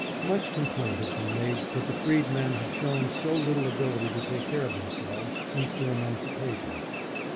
Much complaint has been made that the freedmen have shown so little ability to take care of themselves since their emancipation.